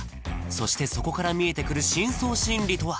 そしてそこから見えてくる深層心理とは？